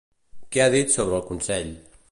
Què ha dit sobre el Consell?